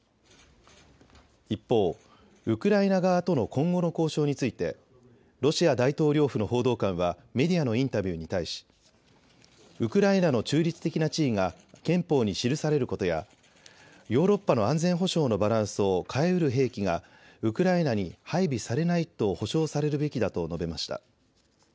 一方、ウクライナ側との今後の交渉についてロシア大統領府の報道官はメディアのインタビューに対しウクライナの中立的な地位が憲法に記されることやヨーロッパの安全保障のバランスを変えうる兵器がウクライナに配備されないと保証されるべきだと述べました。